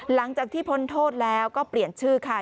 หลังจากที่พ้นโทษแล้วก็เปลี่ยนชื่อค่ะ